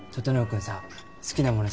君さ好きなもの